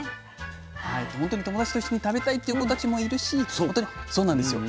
本当に友達と一緒に食べたいという子たちもいるし本当にそうなんですよ。